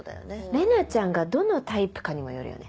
玲奈ちゃんがどのタイプかにもよるよね。